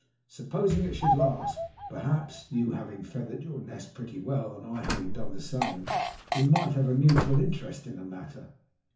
Supposing it should last, perhaps (you having feathered your nest pretty well, and I having done the same), we might have a mutual interest in the matter.